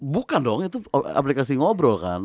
bukan dong itu aplikasi ngobrol kan